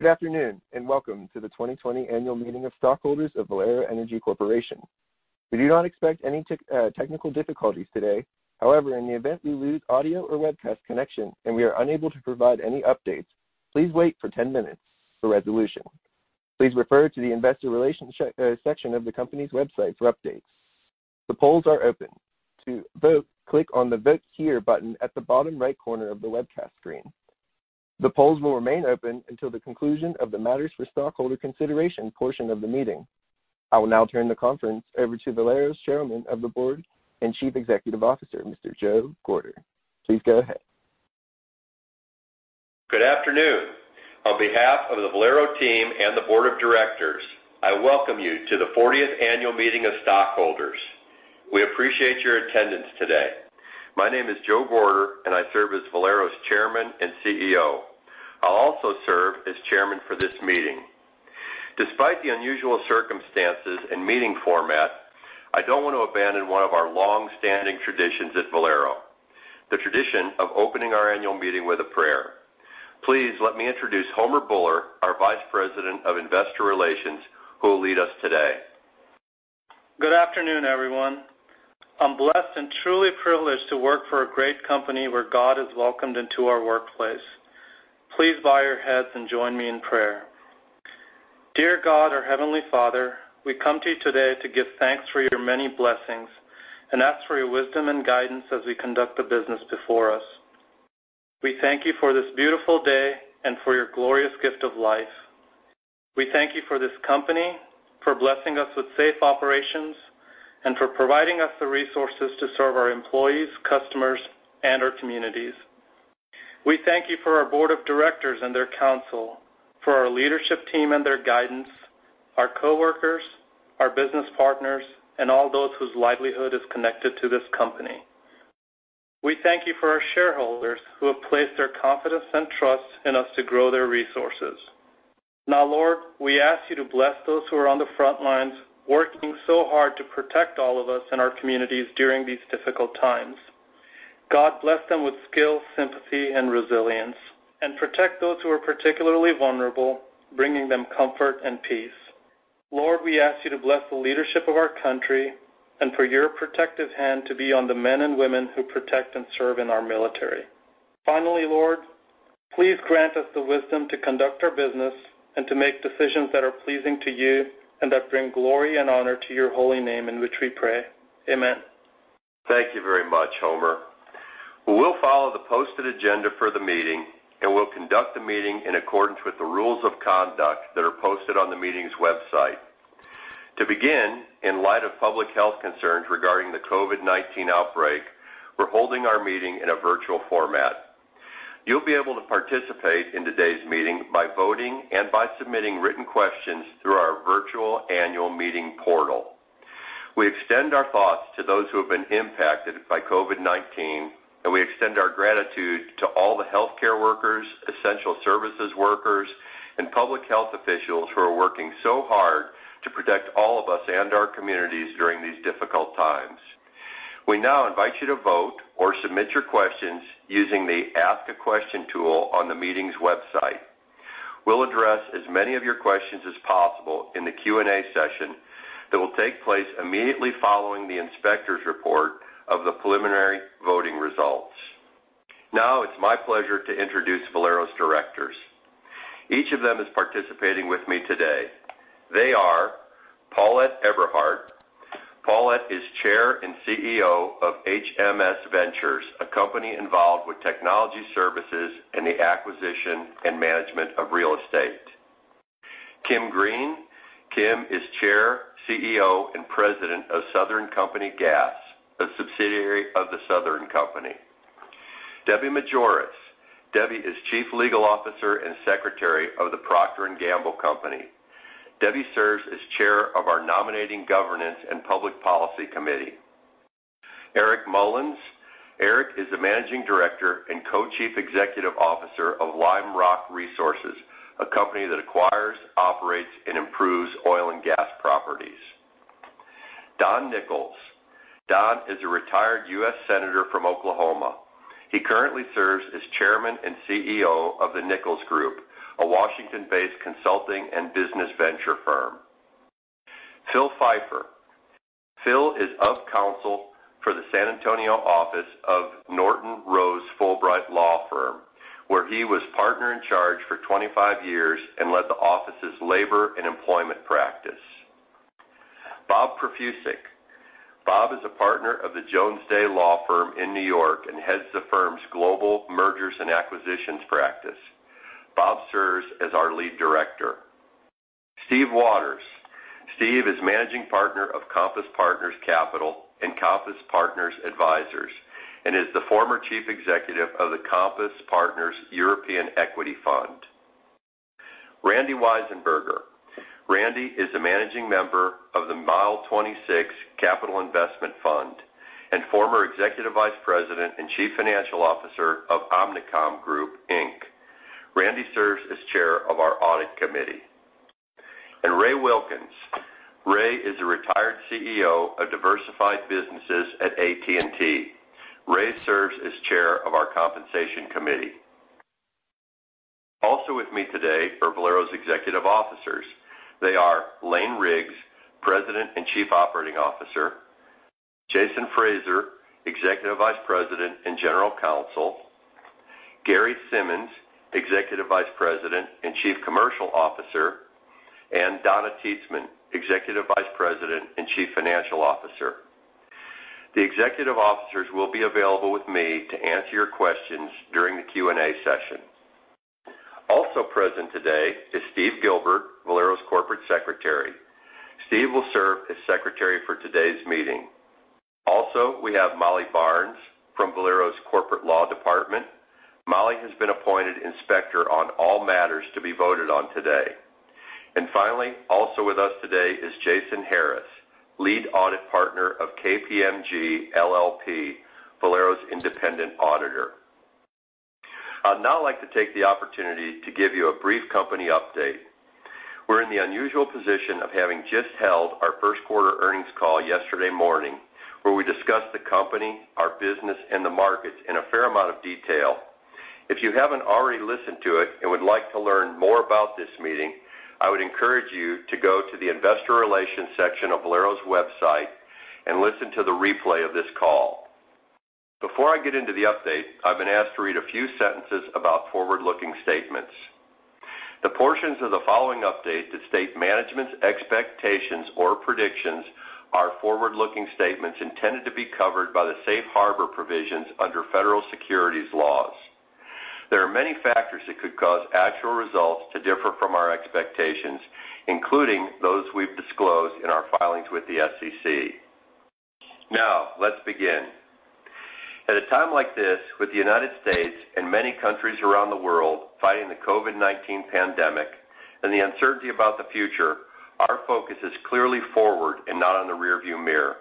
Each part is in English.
Good afternoon, and welcome to the 2020 annual meeting of stockholders of Valero Energy Corporation. We do not expect any technical difficulties today. However, in the event we lose audio or webcast connection and we are unable to provide any updates, please wait for 10 minutes for resolution. Please refer to the Investor Relations section of the company's website for updates. The polls are open. To vote, click on the Vote Here button at the bottom right corner of the webcast screen. The polls will remain open until the conclusion of the matters for stockholder consideration portion of the meeting. I will now turn the conference over to Valero's Chairman of the Board and Chief Executive Officer, Mr. Joe Gorder. Please go ahead. Good afternoon. On behalf of the Valero team and the Board of Directors, I welcome you to the 40th Annual Meeting of Stockholders. We appreciate your attendance today. My name is Joe Gorder. I serve as Valero's Chairman and CEO. I'll also serve as chairman for this meeting. Despite the unusual circumstances and meeting format, I don't want to abandon one of our longstanding traditions at Valero, the tradition of opening our annual meeting with a prayer. Please let me introduce Homer Bhullar, our Vice President of Investor Relations, who will lead us today. Good afternoon, everyone. I'm blessed and truly privileged to work for a great company where God is welcomed into our workplace. Please bow your heads and join me in prayer. Dear God, our Heavenly Father, we come to you today to give thanks for your many blessings and ask for your wisdom and guidance as we conduct the business before us. We thank you for this beautiful day and for your glorious gift of life. We thank you for this company, for blessing us with safe operations, and for providing us the resources to serve our employees, customers, and our communities. We thank you for our board of directors and their counsel, for our leadership team and their guidance, our coworkers, our business partners, and all those whose livelihood is connected to this company. We thank you for our shareholders who have placed their confidence and trust in us to grow their resources. Now, Lord, we ask you to bless those who are on the front lines, working so hard to protect all of us and our communities during these difficult times. God, bless them with skill, sympathy, and resilience, and protect those who are particularly vulnerable, bringing them comfort and peace. Lord, we ask you to bless the leadership of our country and for your protective hand to be on the men and women who protect and serve in our military. Finally, Lord, please grant us the wisdom to conduct our business and to make decisions that are pleasing to you and that bring glory and honor to your holy name, in which we pray. Amen. Thank you very much, Homer. We'll follow the posted agenda for the meeting, and we'll conduct the meeting in accordance with the rules of conduct that are posted on the meetings website. To begin, in light of public health concerns regarding the COVID-19 outbreak, we're holding our meeting in a virtual format. You'll be able to participate in today's meeting by voting and by submitting written questions through our virtual annual meeting portal. We extend our thoughts to those who have been impacted by COVID-19, and we extend our gratitude to all the healthcare workers, essential services workers, and public health officials who are working so hard to protect all of us and our communities during these difficult times. We now invite you to vote or submit your questions using the Ask a Question tool on the meetings website. We'll address as many of your questions as possible in the Q&A session that will take place immediately following the inspector's report of the preliminary voting results. Now it's my pleasure to introduce Valero's directors. Each of them is participating with me today. They are Paulett Eberhart. Paulett is Chair and CEO of HMS Ventures, a company involved with technology services and the acquisition and management of real estate. Kim Greene. Kim is Chair, CEO, and President of Southern Company Gas, a subsidiary of The Southern Company. Debbie Majoras. Debbie is Chief Legal Officer and Secretary of The Procter & Gamble Company. Debbie serves as Chair of our Nominating, Governance and Public Policy Committee. Eric Mullins. Eric is the Managing Director and co-Chief Executive Officer of Lime Rock Resources, a company that acquires, operates, and improves oil and gas properties. Don Nickles. Don is a retired U.S. Senator from Oklahoma. He currently serves as chairman and CEO of The Nickles Group, a Washington-based consulting and business venture firm. Phil Pfeiffer. Phil is of counsel for the San Antonio office of Norton Rose Fulbright, where he was partner in charge for 25 years and led the office's labor and employment practice. Bob Profusek. Bob is a partner of Jones Day in New York and heads the firm's global mergers and acquisitions practice. Bob serves as our lead director. Steve Waters. Steve is managing partner of Compass Partners Capital and Compass Partners Advisors and is the former chief executive of the Compass Partners European Equity Fund. Randy Weisenburger. Randy is the managing member of the Mile 26 Capital and former executive vice president and chief financial officer of Omnicom Group Inc. Randy serves as chair of our audit committee. Ray Wilkins. Ray is a retired CEO of diversified businesses at AT&T. Ray serves as Chair of our Compensation Committee. With me today are Valero's executive officers. They are Lane Riggs, President and Chief Operating Officer, Jason Fraser, Executive Vice President and General Counsel, Gary Simmons, Executive Vice President and Chief Commercial Officer, and Donna Titzman, Executive Vice President and Chief Financial Officer. The executive officers will be available with me to answer your questions during the Q&A session. Present today is Steve Gilbert, Valero's Corporate Secretary. Steve will serve as secretary for today's meeting. We have Molly Barnes from Valero's corporate law department. Molly has been appointed inspector on all matters to be voted on today. Finally, with us today is Jason Harris, Lead Audit Partner of KPMG LLP, Valero's independent auditor. I'd now like to take the opportunity to give you a brief company update. We're in the unusual position of having just held our first-quarter earnings call yesterday morning, where we discussed the company, our business, and the markets in a fair amount of detail. If you haven't already listened to it and would like to learn more about this meeting, I would encourage you to go to the investor relations section of Valero's website and listen to the replay of this call. Before I get into the update, I've been asked to read a few sentences about forward-looking statements. The portions of the following update that state management's expectations or predictions are forward-looking statements intended to be covered by the safe harbor provisions under federal securities laws. There are many factors that could cause actual results to differ from our expectations, including those we've disclosed in our filings with the SEC. Let's begin. At a time like this, with the U.S. and many countries around the world fighting the COVID-19 pandemic and the uncertainty about the future, our focus is clearly forward and not on the rearview mirror.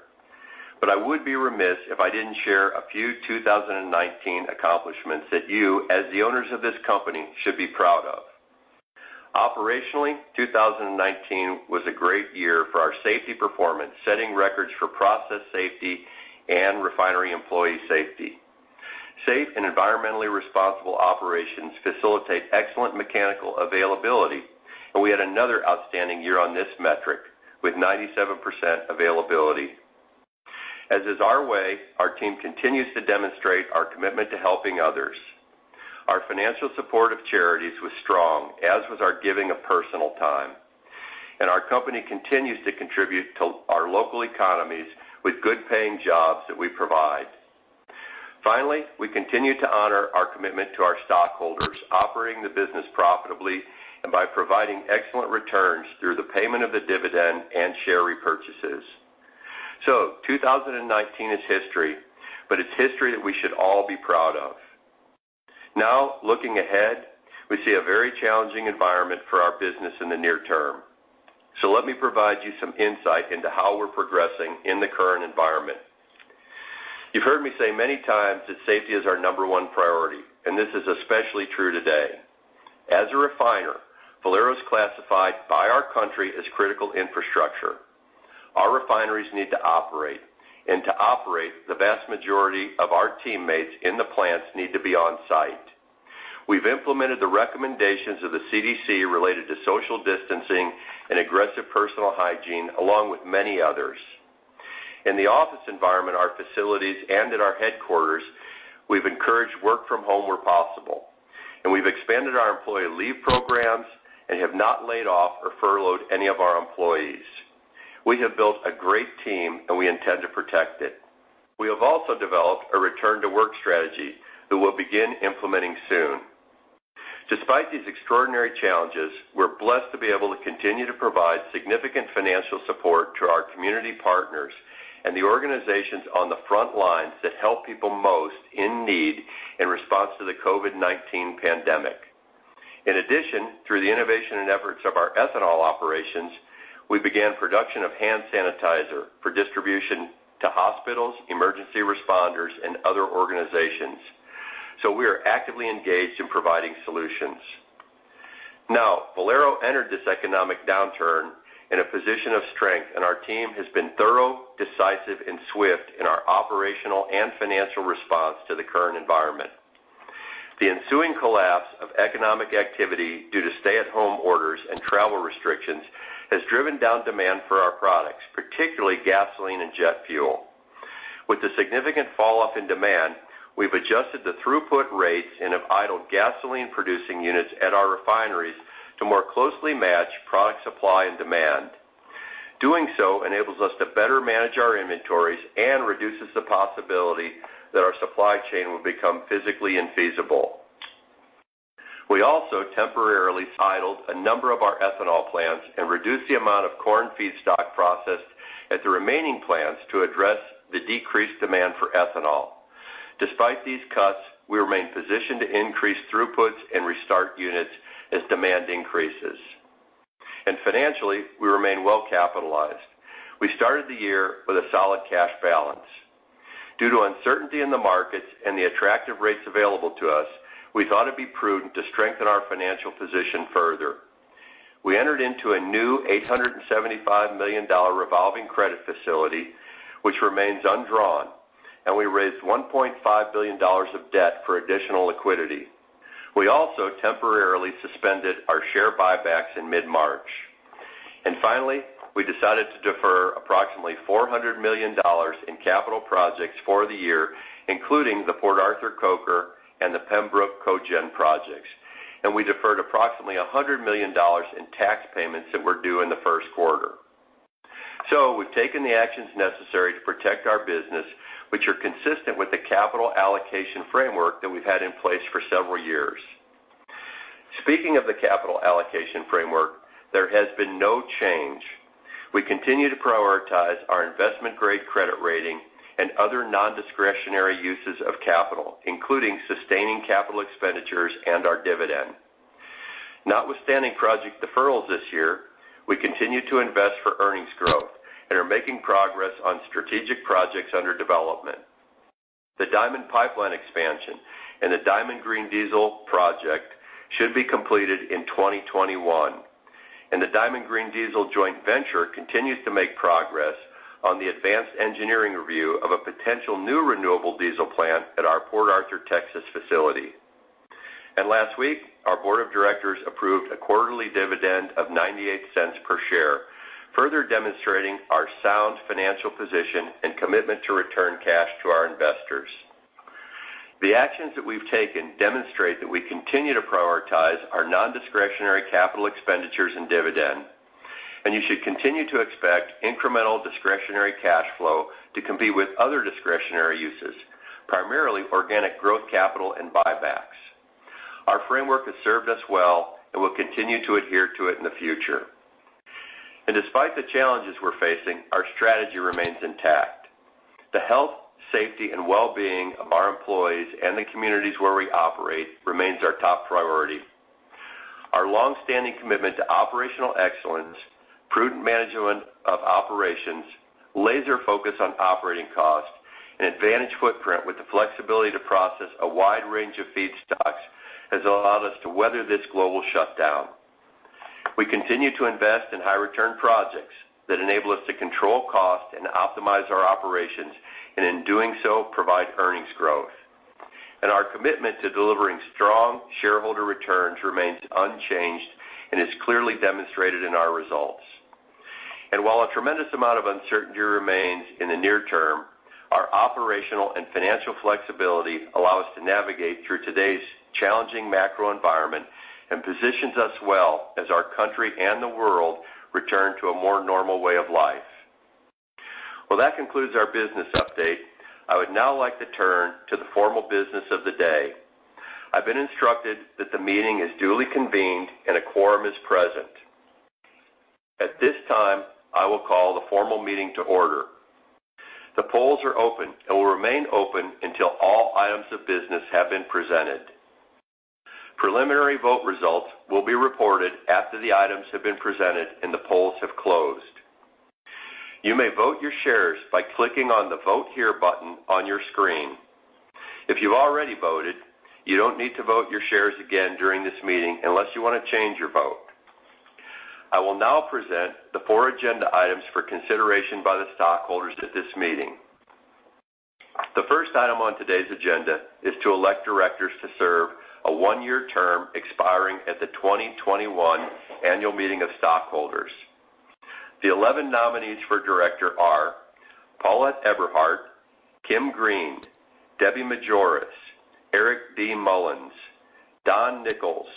I would be remiss if I didn't share a few 2019 accomplishments that you, as the owners of this company, should be proud of. Operationally, 2019 was a great year for our safety performance, setting records for process safety and refinery employee safety. Safe and environmentally responsible operations facilitate excellent mechanical availability, and we had another outstanding year on this metric with 97% availability. As is our way, our team continues to demonstrate our commitment to helping others. Our financial support of charities was strong, as was our giving of personal time. Our company continues to contribute to our local economies with good-paying jobs that we provide. Finally, we continue to honor our commitment to our stockholders, operating the business profitably, and by providing excellent returns through the payment of the dividend and share repurchases. 2019 is history, but it's history that we should all be proud of. Looking ahead, we see a very challenging environment for our business in the near term. Let me provide you some insight into how we're progressing in the current environment. You've heard me say many times that safety is our number one priority, and this is especially true today. As a refiner, Valero is classified by our country as critical infrastructure. Our refineries need to operate, and to operate, the vast majority of our teammates in the plants need to be on-site. We've implemented the recommendations of the CDC related to social distancing and aggressive personal hygiene, along with many others. In the office environment, our facilities, and at our headquarters, we've encouraged work from home where possible, and we've expanded our employee leave programs and have not laid off or furloughed any of our employees. We have built a great team, and we intend to protect it. We have also developed a return-to-work strategy that we'll begin implementing soon. Despite these extraordinary challenges, we're blessed to be able to continue to provide significant financial support to our community partners and the organizations on the front lines that help people most in need in response to the COVID-19 pandemic. In addition, through the innovation and efforts of our ethanol operations, we began production of hand sanitizer for distribution to hospitals, emergency responders, and other organizations. We are actively engaged in providing solutions. Valero entered this economic downturn in a position of strength, and our team has been thorough, decisive, and swift in our operational and financial response to the current environment. The ensuing collapse of economic activity due to stay-at-home orders and travel restrictions has driven down demand for our products, particularly gasoline and jet fuel. With the significant fall-off in demand, we've adjusted the throughput rates and have idled gasoline-producing units at our refineries to more closely match product supply and demand. Doing so enables us to better manage our inventories and reduces the possibility that our supply chain will become physically infeasible. We also temporarily idled a number of our ethanol plants and reduced the amount of corn feedstock processed at the remaining plants to address the decreased demand for ethanol. Despite these cuts, we remain positioned to increase throughputs and restart units as demand increases. Financially, we remain well-capitalized. We started the year with a solid cash balance. Due to uncertainty in the markets and the attractive rates available to us, we thought it'd be prudent to strengthen our financial position further. We entered into a new $875 million revolving credit facility, which remains undrawn, and we raised $1.5 billion of debt for additional liquidity. We also temporarily suspended our share buybacks in mid-March. Finally, we decided to defer approximately $400 million in capital projects for the year, including the Port Arthur Coker and the Pembroke Cogen projects. We deferred approximately $100 million in tax payments that were due in the first quarter. We've taken the actions necessary to protect our business, which are consistent with the capital allocation framework that we've had in place for several years. Speaking of the capital allocation framework, there has been no change. We continue to prioritize our investment-grade credit rating and other non-discretionary uses of capital, including sustaining capital expenditures and our dividend. Notwithstanding project deferrals this year, we continue to invest for earnings growth and are making progress on strategic projects under development. The Diamond Pipeline expansion and the Diamond Green Diesel project should be completed in 2021, and the Diamond Green Diesel joint venture continues to make progress on the advanced engineering review of a potential new renewable diesel plant at our Port Arthur, Texas facility. Last week, our board of directors approved a quarterly dividend of $0.98 per share, further demonstrating our sound financial position and commitment to return cash to our investors. The actions that we've taken demonstrate that we continue to prioritize our non-discretionary capital expenditures and dividend. You should continue to expect incremental discretionary cash flow to compete with other discretionary uses, primarily organic growth capital and buybacks. Our framework has served us well. We'll continue to adhere to it in the future. Despite the challenges we're facing, our strategy remains intact. The health, safety, and well-being of our employees and the communities where we operate remains our top priority. Our long-standing commitment to operational excellence, prudent management of operations, laser focus on operating costs, and advantage footprint with the flexibility to process a wide range of feedstocks has allowed us to weather this global shutdown. We continue to invest in high-return projects that enable us to control cost and optimize our operations, and in doing so, provide earnings growth. Our commitment to delivering strong shareholder returns remains unchanged and is clearly demonstrated in our results. While a tremendous amount of uncertainty remains in the near term, our operational and financial flexibility allow us to navigate through today's challenging macro environment and positions us well as our country and the world return to a more normal way of life. Well, that concludes our business update. I would now like to turn to the formal business of the day. I've been instructed that the meeting is duly convened and a quorum is present. At this time, I will call the formal meeting to order. The polls are open and will remain open until all items of business have been presented. Preliminary vote results will be reported after the items have been presented and the polls have closed. You may vote your shares by clicking on the Vote Here button on your screen. If you've already voted, you don't need to vote your shares again during this meeting unless you want to change your vote. I will now present the four agenda items for consideration by the stockholders at this meeting. The first item on today's agenda is to elect directors to serve a one-year term expiring at the 2021 annual meeting of stockholders. The 11 nominees for director are Paulett Eberhart, Kim Greene, Debbie Majoras, Eric D. Mullins, Don Nickles,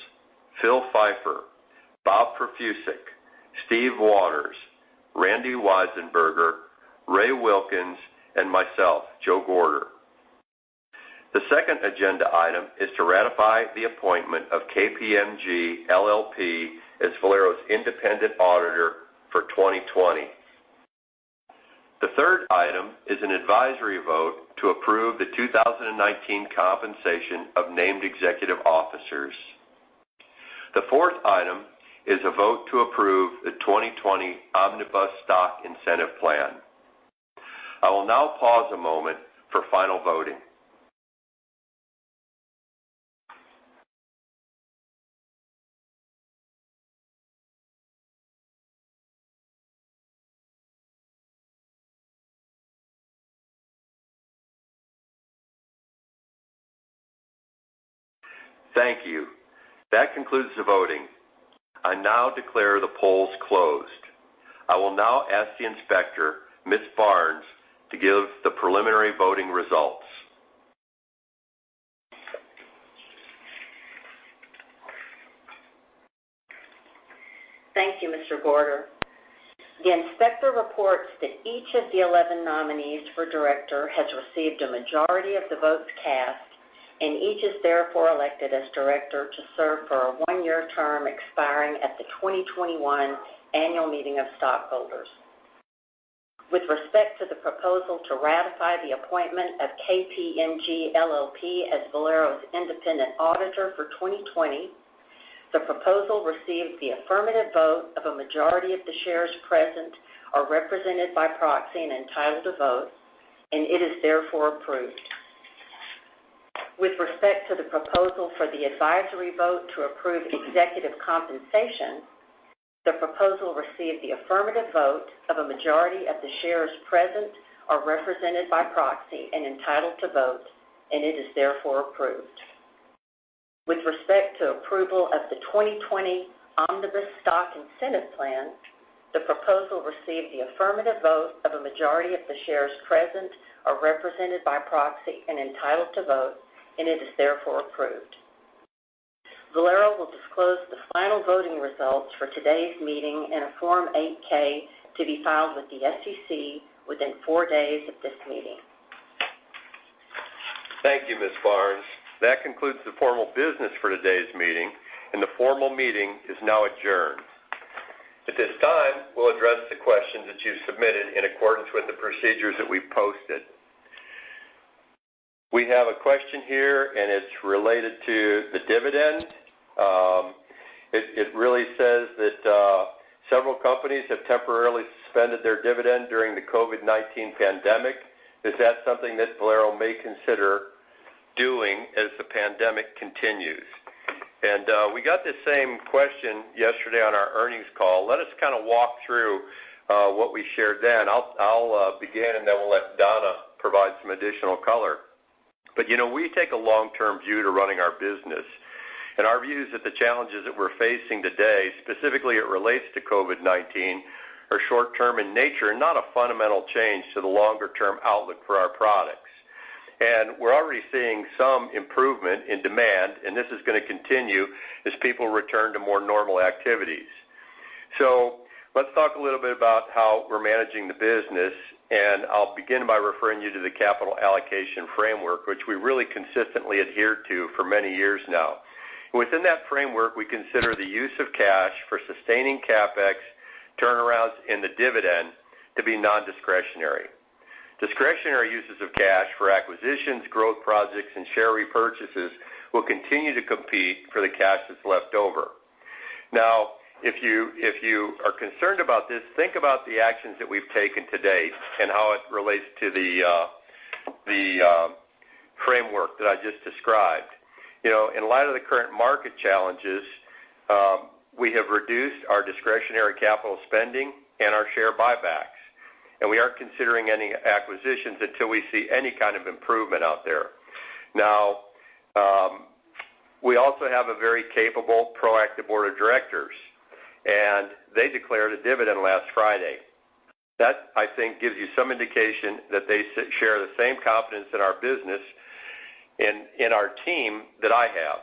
Phil Pfeiffer, Bob Profusek, Steve Waters, Randy Weisenburger, Ray Wilkins, and myself, Joe Gorder. The second agenda item is to ratify the appointment of KPMG LLP as Valero's independent auditor for 2020. The third item is an advisory vote to approve the 2019 compensation of named executive officers. The fourth item is a vote to approve the 2020 Omnibus Stock Incentive Plan. I will now pause a moment for final voting. Thank you. That concludes the voting. I now declare the polls closed. I will now ask the inspector, Ms. Barnes, to give the preliminary voting results. Thank you, Mr. Gorder. The inspector reports that each of the 11 nominees for director has received a majority of the votes cast and each is therefore elected as director to serve for a one-year term expiring at the 2021 annual meeting of stockholders. With respect to the proposal to ratify the appointment of KPMG LLP as Valero's independent auditor for 2020. The proposal received the affirmative vote of a majority of the shares present or represented by proxy and entitled to vote, and it is therefore approved. With respect to the proposal for the advisory vote to approve executive compensation, the proposal received the affirmative vote of a majority of the shares present or represented by proxy and entitled to vote, and it is therefore approved. With respect to approval of the 2020 Omnibus Stock Incentive Plan, the proposal received the affirmative vote of a majority of the shares present or represented by proxy and entitled to vote, and it is therefore approved. Valero will disclose the final voting results for today's meeting in a Form 8-K to be filed with the SEC within four days of this meeting. Thank you, Ms. Barnes. That concludes the formal business for today's meeting, and the formal meeting is now adjourned. At this time, we'll address the questions that you've submitted in accordance with the procedures that we've posted. We have a question here, and it's related to the dividend. It really says that several companies have temporarily suspended their dividend during the COVID-19 pandemic. Is that something that Valero may consider doing as the pandemic continues? We got the same question yesterday on our earnings call. Let us kind of walk through what we shared then. I'll begin, and then we'll let Donna provide some additional color. We take a long-term view to running our business, and our view is that the challenges that we're facing today, specifically it relates to COVID-19, are short-term in nature and not a fundamental change to the longer-term outlook for our products. We're already seeing some improvement in demand, and this is going to continue as people return to more normal activities. Let's talk a little bit about how we're managing the business, and I'll begin by referring you to the capital allocation framework, which we really consistently adhered to for many years now. Within that framework, we consider the use of cash for sustaining CapEx, turnarounds, and the dividend to be non-discretionary. Discretionary uses of cash for acquisitions, growth projects, and share repurchases will continue to compete for the cash that's left over. Now, if you are concerned about this, think about the actions that we've taken to date and how it relates to the framework that I just described. In light of the current market challenges, we have reduced our discretionary capital spending and our share buybacks, and we aren't considering any acquisitions until we see any kind of improvement out there. Now, we also have a very capable, proactive board of directors, and they declared a dividend last Friday. That, I think, gives you some indication that they share the same confidence in our business and in our team that I have.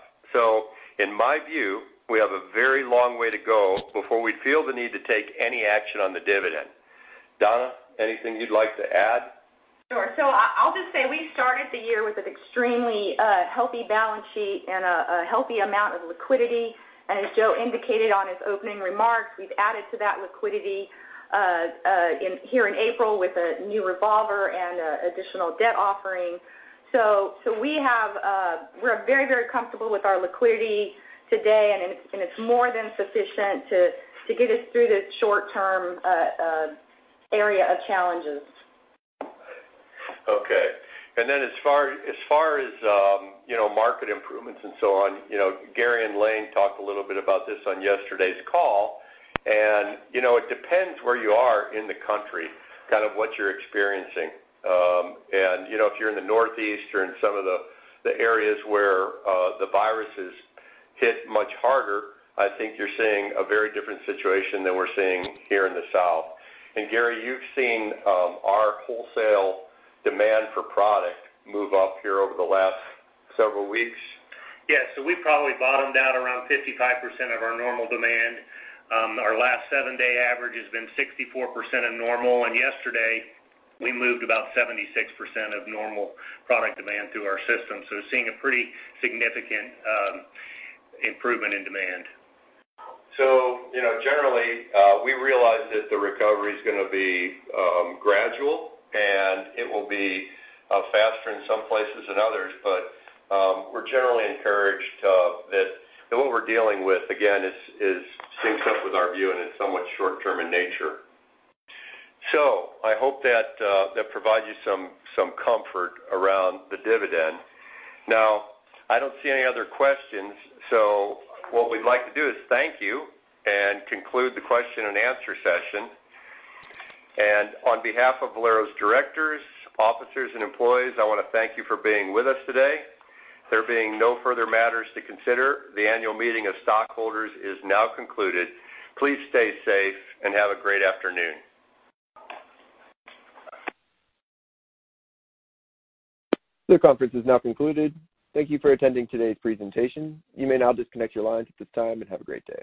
In my view, we have a very long way to go before we feel the need to take any action on the dividend. Donna, anything you'd like to add? Sure. I'll just say we started the year with an extremely healthy balance sheet and a healthy amount of liquidity. As Joe indicated on his opening remarks, we've added to that liquidity here in April with a new revolver and additional debt offering. We're very comfortable with our liquidity today, and it's more than sufficient to get us through this short-term area of challenges. Okay. As far as market improvements and so on, Gary and Lane talked a little bit about this on yesterday's call. It depends where you are in the country, kind of what you're experiencing. If you're in the Northeast or in some of the areas where the virus has hit much harder, I think you're seeing a very different situation than we're seeing here in the South. Gary, you've seen our wholesale demand for product move up here over the last several weeks? Yes. We probably bottomed out around 55% of our normal demand. Our last seven-day average has been 64% of normal, yesterday we moved about 76% of normal product demand through our system. Seeing a pretty significant improvement in demand. Generally, we realize that the recovery's going to be gradual, and it will be faster in some places than others. We're generally encouraged that what we're dealing with, again, syncs up with our view, and it's somewhat short-term in nature. I hope that provides you some comfort around the dividend. Now, I don't see any other questions. What we'd like to do is thank you and conclude the question and answer session. On behalf of Valero's directors, officers, and employees, I want to thank you for being with us today. There being no further matters to consider, the annual meeting of stockholders is now concluded. Please stay safe and have a great afternoon. This conference is now concluded. Thank you for attending today's presentation. You may now disconnect your lines at this time, and have a great day.